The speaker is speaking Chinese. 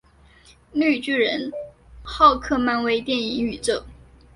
绿巨人浩克漫威电影宇宙